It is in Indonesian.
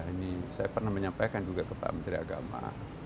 ini saya pernah menyampaikan juga ke pak menteri agama